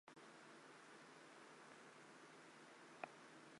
拉弗尔泰维当。